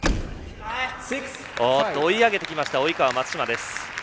追い上げてきました及川、松島です。